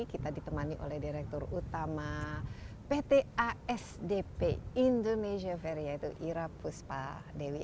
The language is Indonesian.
kita ditemani oleh direktur utama pt asdp indonesia ferry yaitu ira puspa dewi